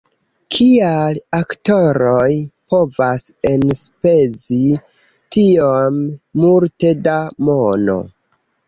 "Kial aktoroj povas enspezi tiom multe da mono!